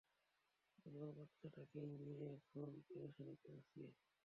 আমার বাচ্চাটাকেই নিয়ে এখন পেরেশানিতে আছি!